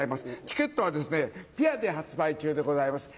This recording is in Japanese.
チケットはですねぴあで発売中でございます。